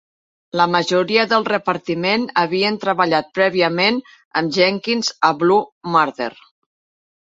La majoria del repartiment havien treballat prèviament amb Jenkins a "Blue Murder".